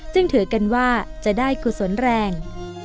ถือกันว่าจะได้กุศลแรง